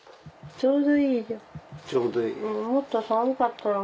ちょうどいい。